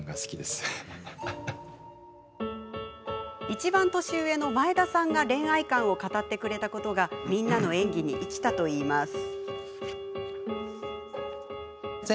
いちばん年上の前田さんが恋愛観を語ってくれたことがみんなの演技に生きたといいます。